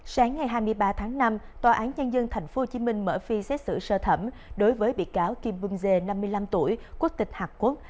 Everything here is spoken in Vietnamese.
sáng ngày hai mươi ba tháng năm tòa án nhân dân thành phố hồ chí minh mở phi xét xử sơ thẩm đối với bị cáo kim vương dê năm mươi năm tuổi quốc tịch hạc quốc